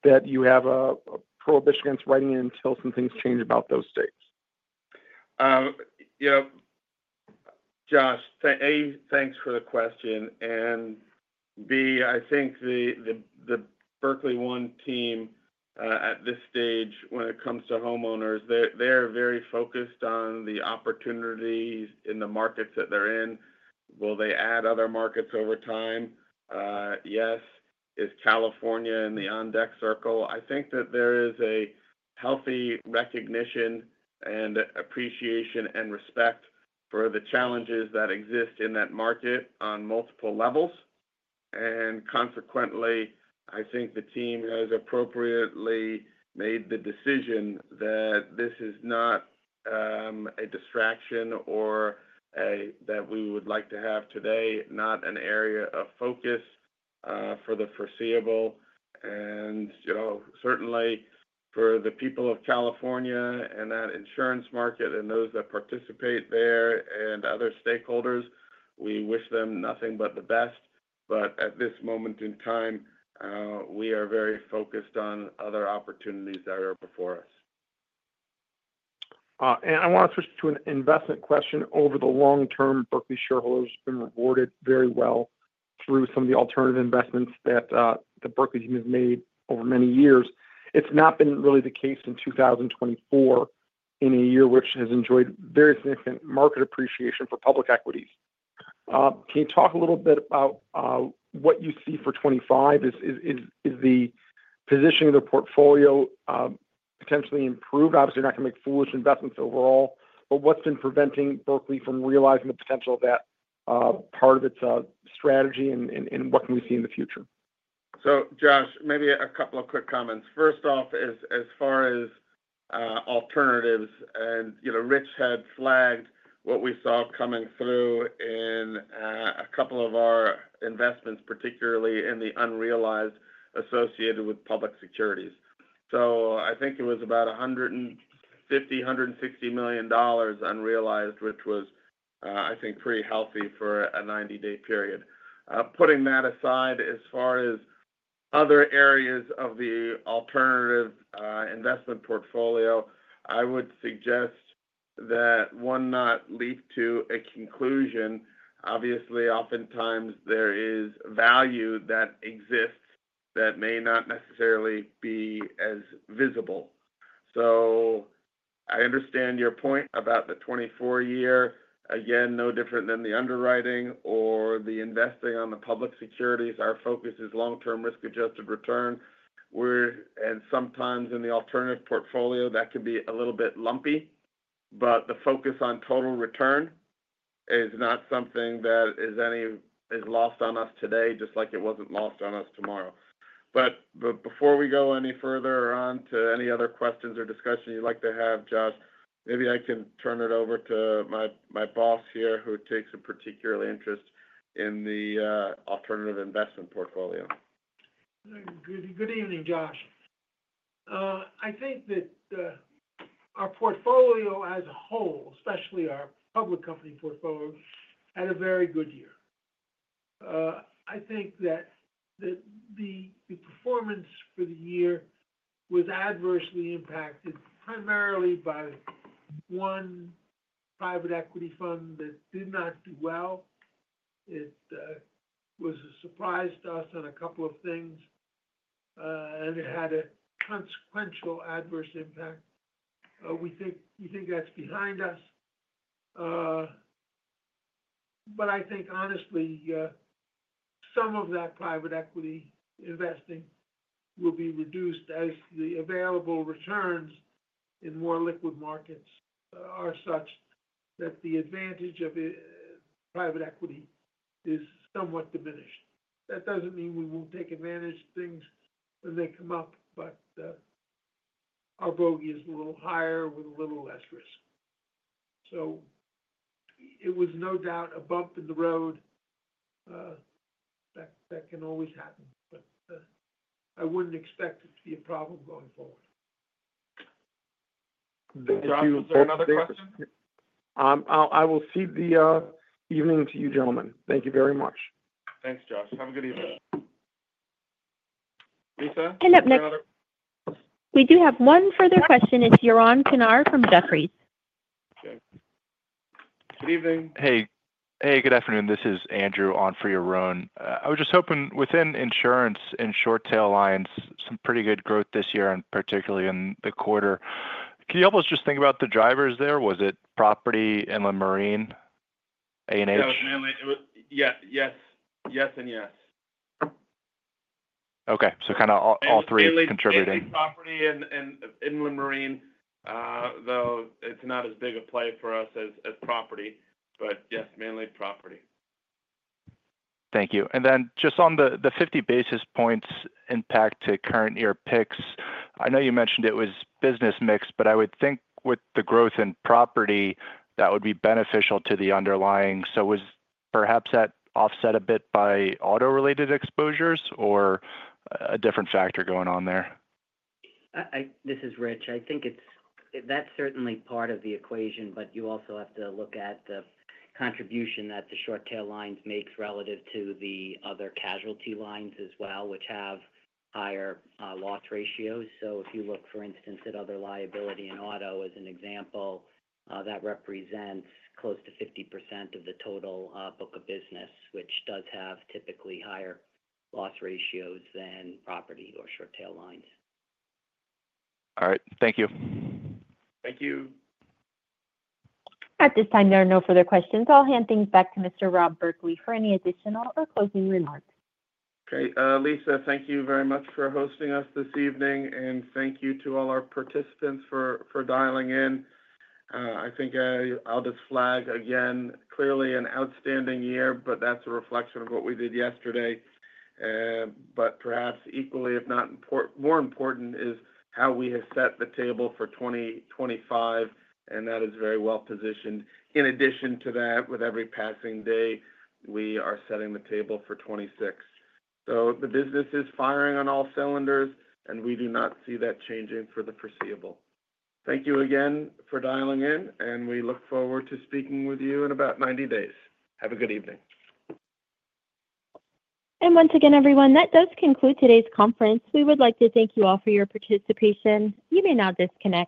that you have a prohibition against writing in until some things change about those states? Josh, A, thanks for the question. And B, I think the Berkley One team at this stage, when it comes to homeowners, they're very focused on the opportunities in the markets that they're in. Will they add other markets over time? Yes. Is California in the on-deck circle? I think that there is a healthy recognition and appreciation and respect for the challenges that exist in that market on multiple levels. And consequently, I think the team has appropriately made the decision that this is not a distraction or that we would like to have today, not an area of focus for the foreseeable. And certainly, for the people of California and that insurance market and those that participate there and other stakeholders, we wish them nothing but the best. But at this moment in time, we are very focused on other opportunities that are before us. I want to switch to an investment question. Over the long term, Berkley shareholders have been rewarded very well through some of the alternative investments that the Berkley team has made over many years. It's not been really the case in 2024 in a year which has enjoyed very significant market appreciation for public equities. Can you talk a little bit about what you see for 2025? Is the positioning of the portfolio potentially improved? Obviously, you're not going to make foolish investments overall, but what's been preventing Berkley from realizing the potential of that part of its strategy, and what can we see in the future? Josh, maybe a couple of quick comments. First off, as far as alternatives, and Rich had flagged what we saw coming through in a couple of our investments, particularly in the unrealized associated with public securities. So I think it was about $150-$160 million unrealized, which was, I think, pretty healthy for a 90-day period. Putting that aside, as far as other areas of the alternative investment portfolio, I would suggest that one not leap to a conclusion. Obviously, oftentimes, there is value that exists that may not necessarily be as visible. So I understand your point about the 2024 year. Again, no different than the underwriting or the investing on the public securities. Our focus is long-term risk-adjusted return. And sometimes in the alternative portfolio, that can be a little bit lumpy, but the focus on total return is not something that is lost on us today, just like it wasn't lost on us tomorrow. But before we go any further on to any other questions or discussion you'd like to have, Josh, maybe I can turn it over to my boss here, who takes a particular interest in the alternative investment portfolio. Good evening, Josh. I think that our portfolio as a whole, especially our public company portfolio, had a very good year. I think that the performance for the year was adversely impacted primarily by one private equity fund that did not do well. It was a surprise to us on a couple of things, and it had a consequential adverse impact. We think that's behind us. But I think, honestly, some of that private equity investing will be reduced as the available returns in more liquid markets are such that the advantage of private equity is somewhat diminished. That doesn't mean we won't take advantage of things when they come up, but our bogey is a little higher with a little less risk. So it was no doubt a bump in the road that can always happen, but I wouldn't expect it to be a problem going forward. Josh, do you want to ask another question? I will say good evening to you, gentlemen. Thank you very much. Thanks, Josh. Have a good evening. Lisa? We do have one further question. It's Yaron Kinar from Jefferies. Okay. Good evening. Hey. Hey, good afternoon. This is Andrew on for Yaron. I was just hoping within insurance and short-tail lines, some pretty good growth this year, and particularly in the quarter. Can you help us just think about the drivers there? Was it property, inland marine, A&H? Yeah. Yes. Yes and yes. Okay. So kind of all three contributing. Mainly property and inland marine, though it's not as big a play for us as property, but yes, mainly property. Thank you. And then just on the 50 basis points impact to current year picks, I know you mentioned it was business mix, but I would think with the growth in property, that would be beneficial to the underlying. So was perhaps that offset a bit by auto-related exposures or a different factor going on there? This is Rich. I think that's certainly part of the equation, but you also have to look at the contribution that the short-tail lines make relative to the other casualty lines as well, which have higher loss ratios. So if you look, for instance, at other liability and auto as an example, that represents close to 50% of the total book of business, which does have typically higher loss ratios than property or short-tail lines. All right. Thank you. Thank you. At this time, there are no further questions. I'll hand things back to Mr. Rob Berkley for any additional or closing remarks. Okay. Lisa, thank you very much for hosting us this evening, and thank you to all our participants for dialing in. I think I'll just flag again, clearly an outstanding year, but that's a reflection of what we did yesterday. But perhaps equally, if not more important, is how we have set the table for 2025, and that is very well positioned. In addition to that, with every passing day, we are setting the table for 2026. So the business is firing on all cylinders, and we do not see that changing for the foreseeable. Thank you again for dialing in, and we look forward to speaking with you in about 90 days. Have a good evening. Once again, everyone, that does conclude today's conference. We would like to thank you all for your participation. You may now disconnect.